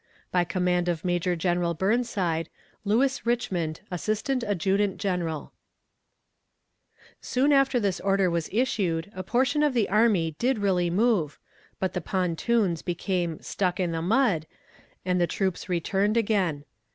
By command of MAJOR GENERAL BURNSIDE. LEWIS RICHMOND, Assistant Adjutant General. Soon after this order was issued a portion of the army did really move but the pontoons became "stuck in the mud," and the troops returned again.